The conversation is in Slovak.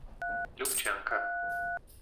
Ľupčianka